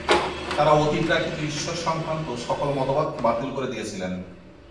তারা অতিপ্রাকৃত ঈশ্বর সংক্রান্ত সকল মতবাদকে বাতিল করে দিয়েছিলেন।